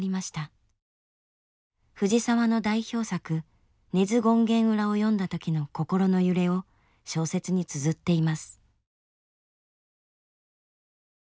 藤澤の代表作「根津権現裏」を読んだ時の心の揺れを小説につづっています。